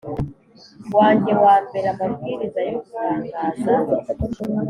wanjye wa mbere amabwiriza yo gutangaza